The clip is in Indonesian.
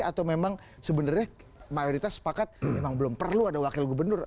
atau memang sebenarnya mayoritas sepakat memang belum perlu ada wakil gubernur